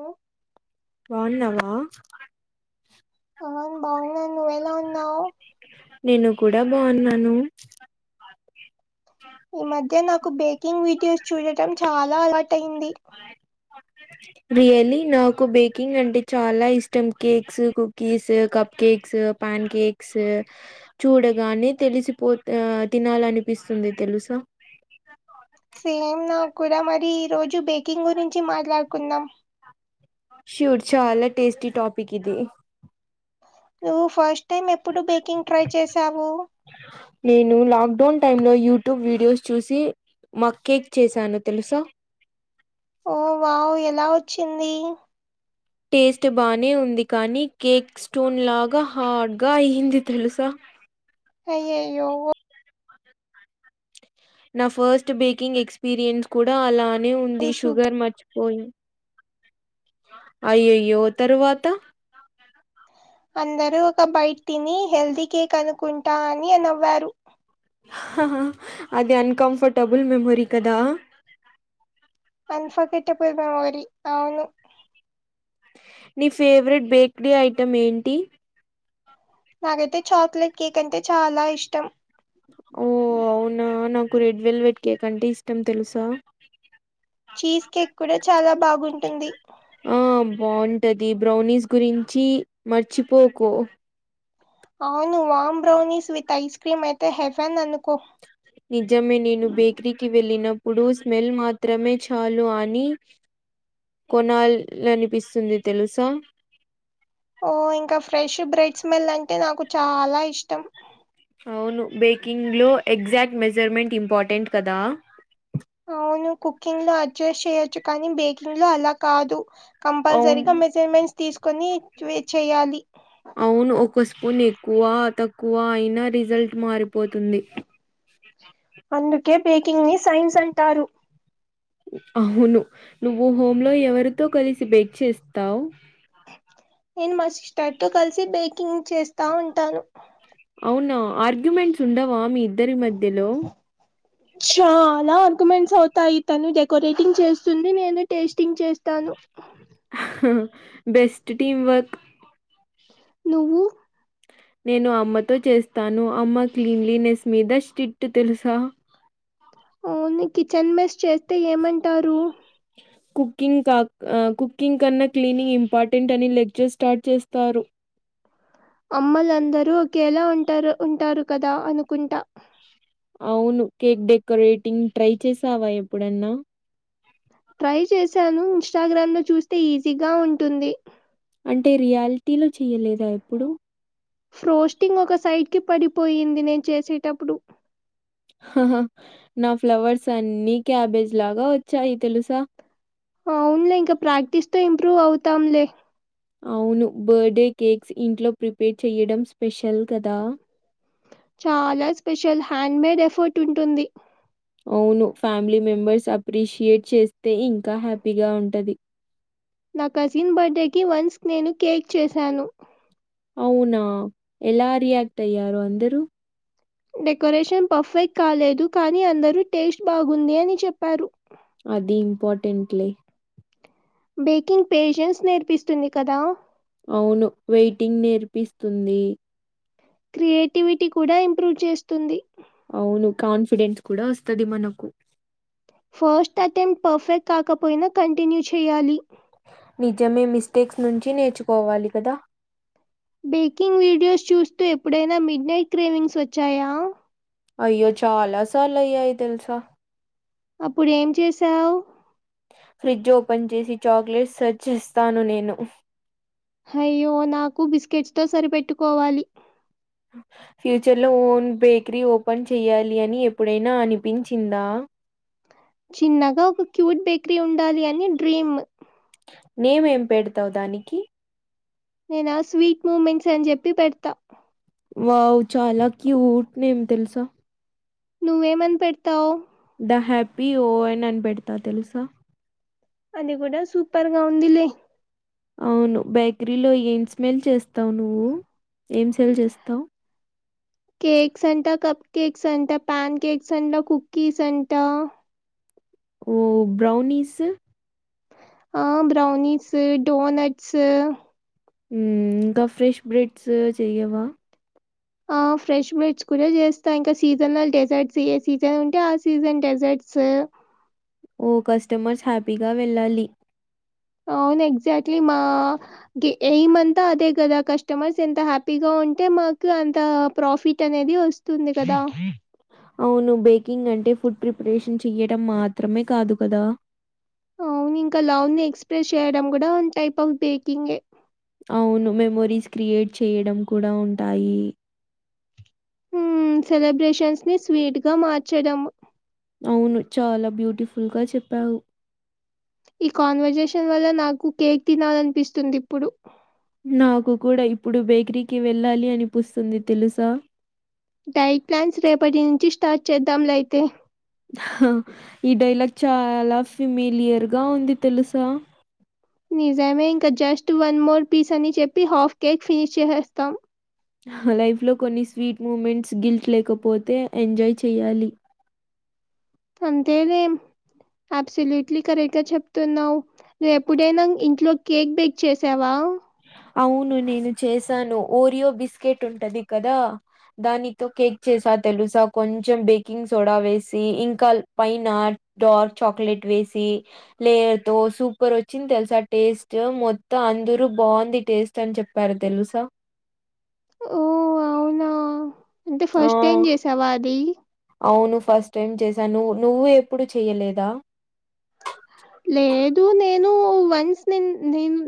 ఓ బాగున్నావా అవును బాగున్నాను నువ్వెలా ఉన్నావ్ నేను కూడా బావున్నాను ఈ మధ్య నాకు బేకింగ్ వీడియోస్ చూడటం చాలా అలాటయింది [inaudible] రియలీ నాకు బేకింగ్ అంటె చాలా ఇష్టం cakes cookies cup cakes pan cakes చూడగానే తెలిసిపో తినాలనిపిస్తుంది తెలుసా [inaudible] సేమ్ నా కూడా మరీ ఈరోజు బేకింగ్ గురించి మాట్లాడుకుందాం షోర్ చాలా టేస్టీ టాపిక్ ఇది నువ్వు ఫస్ట్ టైం ఎప్పుడు బేకింగ్ ట్రై చేసావు నేను లాక్డౌన్ టైమ్ లో యూట్యూబ్ వీడియోస్ చూసి మక్ కేక్ చేశాను తెలుసా చ్చిందీ టేస్ట్ బానే ఉంది కానీ కేక్ స్టోన్ లాగా హార్డ్గా అయింది తెలుసా అయ్యయ్యో నా ఫస్ట్ బేకింగ్ ఎక్స్పీరియన్స్ కూడా అలానే ఉంది ఇది సుగ- షుగర్ మర్చిపోయి అయ్యయ్యో తరువాత అందరూ ఒక బైట్ తినీ హెల్దీ కేక్ అనుకుంటా అని అ నవ్వారు అది అన్కంఫర్టబుల్ మెమొరీ కదా అన్ష కెట్ట పై వారి అవును నీ ఫేవరెట్ బేక్రి ఐటెం ఏంటి నాకైతె చాక్లెట్ కేక్ అంటె చాలా ఇష్టం ఓ అవునా నాకు రెడ్ వెల్వెట్ కేక్ అంటె ఇష్టం తెలుసా చీజ్ కేక్ కూడ చాలా బాగుంటుంది ఆ బాంటది బ్రౌనీస్ గురించీ మర్చిపోకు అవును warm brownies with ice cream అయితే హెఫెన్ అనుకో నిజమే నేను బేక్రీ కిి వెల్లినప్ ప్పుడు స్మెల్ మాత్రమే చాలు అనీ కొనాలనిపిస్సుంది తెలుసా ఓ ఇంక ఫ్రెష్ బ్రెడ్ స్మెల్ అంటే నాకు చాలా ఇష్టం అవును బేకింగ్ లో ఎగ్జాక్ట్ మెజర్మెంట్ ఇంపార్టెంట్ కదా అవును కుకింగ్ లో అడ్జస్ట్ చేయొచ్చు కానీ బేకింగ్ లో అలా కాదు అవును కంపల్సరిగ మెజర్మెంట్స్ తీసుకొని చెయ్యాలి అవును ఒక స్పూన్ ఎక్కువా తక్కువా అయినా రిజల్ట్ మారిపోతుంది అందుకే బేకింగ్ ని సైన్స్ అంటారు అవును నువ్వు హోమ్ లో ఎవరితో కలిసి బేక్ చేస్తావ్ నేన్ మా సిస్టర్ తో కలిసి బేకింగ్ చేస్తా ఉంటాను అవునా ఆర్గ్యుమెంట్స్ ఉండవా మీ ఇద్దరి మధ్యలో [inaudible] చాలా ఆర్గుమెండ్స్ అవుతాయి తను డెకొరేటింగ్ చేస్తుంది నేను టేస్టింగ్ చేస్తాను బెస్ట్ టీమ్ వర్క్ నువ్వు నేను అమ్మతో చేస్తాను అమ్మ క్లీన్లీనెస్ మీద స్ట్రిట్ తెలుసా ఓన్లీ కిచెన్ మెస్ చేస్తే ఏమంటారూ కుకింగ్ కాక్ అ కుకింగ్ కన్నా క్లీనింగ్ ఇంపార్టెంట్ అని లెక్చర్ స్టార్ట్ చేస్తారు అమ్మలందరూ ఒకేలా ఉంటారు ఉంటారు కదా అనుకుంట అవును కేక్ డెకరేటింగ్ ట్రై చేసావ ఎప్పుడన్న ట్రై చేశానూ ఇంస్టాగ్రామ్ లో చూస్తే ఈజీగా ఉంటుంది అంటే రియాలిటీలో చెయలేదా ఎప్పుడు ఫ్రోస్టింగ్ ఒక సైడ్కిి పడిపోయింది నేను చేసేటప్పుడు హహ నా ఫ్లవర్స్ అన్నిీ క్యాబేజ్ లాగా వచ్చాయి తెలుసా అవునులే ఇంకా ప్రాక్టీస్ తో ఇంప్రూవ్ అవుతాంలే అవును బర్త్డే కేక్స్ ఇంట్లో ప్రిపేర్ చేయడం స్పెషల్ కదా చాలా స్పెషల్ హ్యాండ్ మేడ్ ఎఫర్ట్ ఉంటుంది అవును ఫ్యామిలీ మెంబర్స్ అప్రిషియేట్ చేస్తే ఇంకా హ్యాపీగా ఉంటది నా కజిన్ బర్త్డేకి వన్స్ నేను కేక్ చేశాను అవునా ఎలా రియాక్ట్ అయ్యారు అందరూ డెకరేషన్ పర్ఫెక్ట్ కాలేదు కానీ అందరూ టేస్ట్ బాగుంది అని చెప్పారు ఆది ఇంపార్టంట్ లే బేకింగ్ పేషంట్స్ నేర్పిస్తుంది కదా అవును వెటింగ్ నేర్పిస్తుంది క్రియేటివిటీ కూడా ఇంప్రూవ్ చేస్తుంది ఆవును కాన్ఫిడెన్స్ కూడా వస్తుది మనకు ఫస్ట్ అటెంప్ట్ పర్ఫెక్ట్ కాకపోయినా కంటిన్యూ చేయాలి నిజమే మిస్టేక్స్ నుంచి నేర్చుకోవాలి కదా బేకింగ్ వీడియోస్ చూస్తూ ఎప్పుడైనా మిడ్ నైట్ క్రేవింగ్స్ వచ్చాయా అయ్యో చాలా సార్లు అయ్యాయి తెలుసా అప్పుడు ఏం చేసావ్ ఫ్రిడ్జ్ ఓపెన్ చేసి చాక్లెట్స్ సెర్చ్ చేస్తాను నేను హయ్యో నాకు బిస్కెట్స్ తో సరిపెట్టుకోవాలి ఫ్యూచర్ లో ఓన్ బేకరీ ఓపెన్ చెయాలి అని ఎప్పుడైనా అనిపించిందా చిన్నగా ఒక క్యూట్ బేకరీ ఉండాలి అని డ్రీమ్ నేమ్ ఏం పెడతావు దానికి నేనా స్వీట్ మూమెంట్స్ అని చెప్పి పెడతా వావ్ చాలా క్యూట్ నేమ్ తెలుసా నువ్వేమని పెడతావ్ ద హ్యాపీ ఓన్ అని పెడతా తెలుసా అది కూడా సూపర్ గా ఉంది లే అవును బేకరీలో ఏం స్మెల్ చేస్తావు్ నువ్వు ఏం సెల్ చేస్తావు్ కేక్స్ అంట కప్ కేక్స్ అంట ప్యాన్ కేక్స్ అంట కుకీస్ అంట ఓ బ్రౌనీీస్ ఆ బ్రౌనీీస్ డోనట్స్ ఉ ఇంకా ఫ్రెష్ బ్రెడ్స్ చెయవా ఆ ఆ ఫ్రెష్ బెడ్స్ కూడా చేస్తా ఇంకా సీజనల్ డెజర్ట్స్ ఏ సీజన్ ఉంటే ఆ సీజన్ డెజర్ట్స్ ఓ కస్టమర్స్ హ్యాపీగా వెళ్ళాలి అ ఎక్సట్లీ మా గే ఎమ్అంత అదే కదా కస్మర్స్ ఎంత హ్యాపీగా ఉంటే మా మాకు అంత ప్రాఫిట్ అనేది వస్తుంది కదా అవును బేకింగ్ అంటే ఫుడ్ ప్రిపరేషన్ చెయడంం మాత్రమే కాదు కదా అవును ఇంకా లవ్ ని ఎక్స్ప్రెస్ చేయడం కూడా ఉంటాయి ఫ్ బేకింగ్ గే అవును మెమొరీస్ క్రియేట్ చేయడం కూడా ఉంటాయి ఉ సెలబ్రేషన్స్ ని స్వీట్ గా మార్చడం అవును చాలా బ్యూటిఫుల్గా చెప్పావు ఈ కాన్వర్జేషన్ వల్ల నాకు కేక్ తినాలనిపిస్తుంది ఇప్పుడు నాకు కూడా ఇప్పుడు బేకరీకి వెళ్ళాలి అనిపిస్తుంది తెలుసా డైట్ ప్లాన్స్ రేపటి నుంచి స్టార్ట్ చేద్దాంలే ఆయితే ఈ డైలాగ్ చాలా ఫిమేల్ ఇయర్ గా ఉంది తెలుసా నిజమే ఇంకా జస్ట్ వన్ మోర్ పీస్ అని చెప్పి హాఫ్ కేక్ ఫినిష్ చేస్తాం లైఫ్ లో కొన్ని స్వీట్ మూమెంట్స్ గిల్ట్ లేకపోతే ఎంజాయ్ చేయాలి అంతేనేం అబ్సల్యూట్లీ కరెక్ట్ గా చెప్తున్నావు ను్వు ఎప్పుడైనా ఇంట్లో కేక్ బేక్ చేసావా అవును నేను చేశాను ఓరియో బిస్కెట్ ఉంటది కదా దానితో కేక్ చేసా తెలుసా కొంచెం బేకింగ్ సోడా వేసి ఇంకా పైనట్ డార్క్ చాక్లెట్ వేసి లేయర్ తో సూపర్ వచ్చింది తెలుసా టేస్ట్ మొత్తం అందర బాగుంది టేస్ట్ అని చెప్పారు తెలుసా ఓ అవునా అంటే ఆ ఫస్ట్ ఏం చేసావా అది అవును ఫస్ట్ టైం చేసాను నువవు నువ్్వవు ఎప్పుడు చెయలేదా లేదు నేను వన్స్ న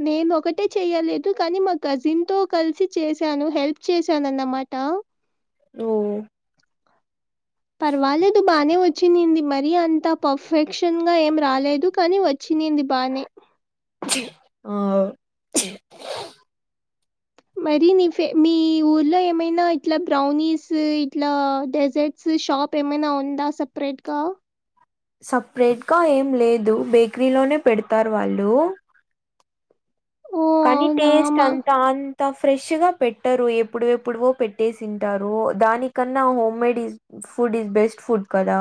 నేను ఒకటే చెయలేదు కానీ మా కజిన్ ఎంతో కలిసి చేశాను హెల్ప్ చేశానున్నమాట ఓ వచ్చంది మరి అంత పర్ఫెక్షన్ గా ఏం రాలేదు కానీ వచ్చంది బానే ఆ మరి నీ మీ ఊర్లో ఏమైనా ఇట్లా బ్రౌనీస్ ఇట్లా డెజర్ట్స్ షాప్ ఏమైనా ఉందా సపరేట్ గా సపరేట్గా ఏం లేదు బేకరీలోనే పెడతారు వాళ్ళు ఓహ్! కానీ అవునా! టేస్ట్ మా అంత అంత ఫ్రెష్ గా పెట్టరు ఎప్పుడు ఎప్పుడువో పెట్టే తింటారు దానికన్నా homemades food is best food కదా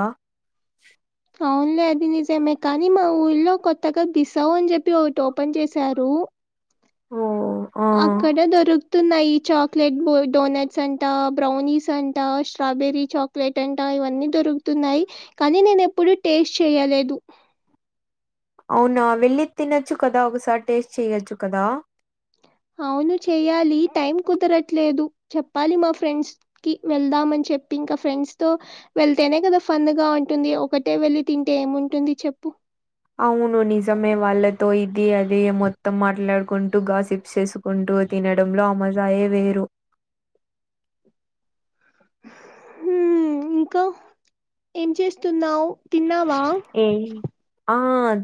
వున్లే అది నిజమే కానీ మా ఊళ్లో కొత్తగా బిసావు అని చెప్పి ఒకటి ఓపెన్ చేశారు ఓ ఆ ఆక్కడే దొరుకు తున్నాయి చాక్లెట్ బ డోనట్స్ అంట బ్రౌనీస్ అంట స్ట్రాబెర్రీ చాక్లెట్ అంట ఇవన్నీ దొరుకుతున్నాయి కానీ నేన ఎప్పుడూ టేస్ట్ చేయలేదు అవునా వెళ్ళి తినొచ్చు కదా ఒకసారి టేస్ట్ చెయొచ్చు కదా అవును చెయ్యాలి టైం కుదరట్లేదు చెప్పాలి మా ఫ్రెండ్స్ కి వెళ్దామని చెప్పి ఇంకా ఫ్రెండ్స్ తో వెళ్తేనే కదా ఫన్ గా ఉంటుంది ఒకటే వెళ్ళి తింటే ఏముంటుంది చెప్పు అవును నిజమే వాళ్ళతో ఇది అదే మొత్తం మాట్లాడుకుంటూ గాసిప్ చేసుకుంటూ తినడంలో అమజాయే వేరు హ ఇంకా ఏం చేస్తున్నావు తిన్నా ఏ ఆ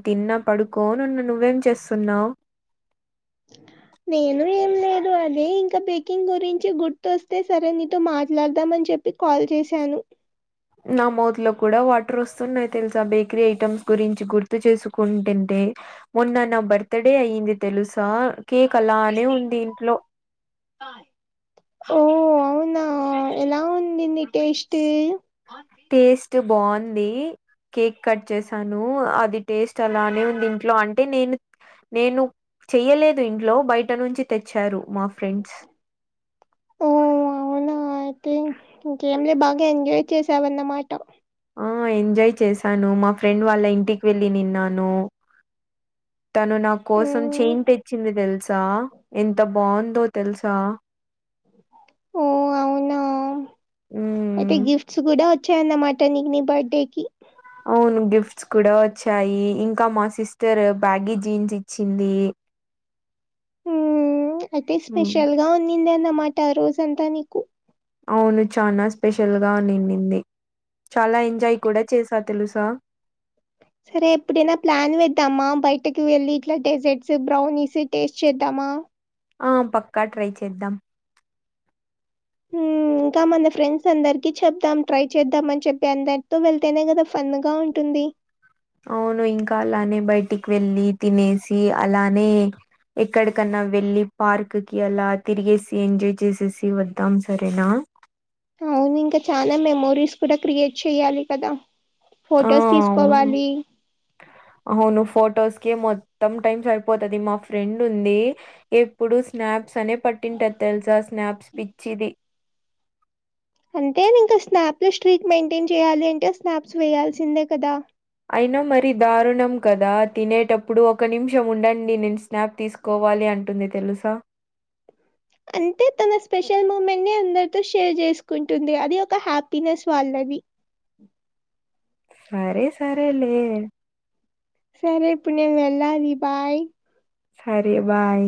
తిన్నా పడుకో నన్ను నువ్వేం చేస్తున్నావు్ అ నేను ఏం లేదు అదే ఇంకా బేకింగ్ గురించి గుర్తుొస్తే సరే నీతో మాట్లాడదామని చెప్పి కాల్ చేశాను నా మౌత్ లో కూడా వాటర్ వస్తున్నాయి తెలుసా బేకరీ ఐటెమ్స్ గురించి గుర్తు చేసుకుంటంతే మన్ నా బర్త్డే అయి్యింది తెలుసు స కేక అలానే ఉంది ఇంట్లో ఓ అవునా ఎలా నిన్న టేస్ట్ బాగుంది కేక్ కట్ చేసాను అది టేస్ట్ అలానే ఉంది ఇంట్లో అంటే నేను నేను చెయ్యలేదు ఇంట్లో బయట నుంచి తెచ్చారు మా ఫ్రెండ్స్ అతే ఇంకేమ్లే బాగా ఎంజాయ్ చేసావన్నమాట ఆ ఎంజాయ్ చేశాను మా ఫ్రెండ్ వాళ్ళ ఇంటికి వెళ్ళి నిన్నాను తను నా కోసం హ్మ్ చేయిన్ తెచ్చింది తెలుసా ఎంత బాగుందో తెలుసా ఓ అవునా ఎయితే హ్మ్. గిఫ్స్ కూడా వచ్చయన్నమాట నీకు నీ బర్త్డే కి అవును గిఫ్ట్స్ కూడా వచ్చాయి ఇంకా మా సిస్టర్ బ్యాగీ జీన్స్ ఇచ్చింది అయితే హ్మ్ స్పెషల్ గా ఉన్నిందిన్నమాట రోజంతా నీకు అవును చానా స్పెషల్ గా ఉండింది చాలా ఎంజాయ్ కూడా చేసా తెలుసా సరే ఎప్పుడైనా ప్లాన్ వేద్దామా బయటకి వెళ్ళి ఇట్లా డెజర్ట్స్ బ్రౌనీస్ టేస్ట్ చేద్దామా ఆ పక్కా ట్రై చేద్దాం హ్మ్ ఇంకా మన ఫ్రెండ్స్ అందరికి చెప్దాం ట్రై చేద్దాం అని చెప్పి అందరితో వెళ్తేనే కదా ఫన్ గా ఉంటుంది అవును ఇంకా అలానే బయటికి వెళ్ళి తినేసి అలానే ఎక్కడికన్నా వెళ్ళలి పార్క్ కి అలా తిరిగేసి ఎంజాయ్ చేసేసి వద్దాం సరేనా అవును ఇంకా చాలా మెమోరీస్ కూడా క్రియేట్ చేయాలి కదా ఆ ఫొటోస్ తీసుకోవాలి అవును ఫోటోస్ మొత్తం టైమ్స్ అయిపోతది మా ఫ్రెండ్ ఉంది ఎప్పుడు స్నాప్స్ అనే పట్టింట ది తెల్స స్నాప్స్ పిచ్చిది అంటే ఇంకా స్నాప్ లో స్ట్రీట్ మెయింటైన్ చేయాలి అంటే స్నాప్స్ వేయాల్సిందే కదా అయినా మరి దారుణం కదా తినేటప్పుడు ఒక నిమిషం ఉండండి నేను స్నాప్ తీసుకో కోవాలి అంటుంది తెలుసా అంటే తన స్పెషల్ మూమెంట్ ని అందరితో షేర్ చేసుకుంటుంది అది ఒక హ్యాపీనెస్ వాళ్ళ ది సరే సరే లే సరే ఇప్పుడు నేను వెళ్ళాలి బాయ్ సరే బాయ్